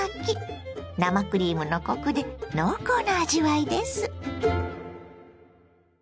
生クリームのコクで濃厚な味わいです。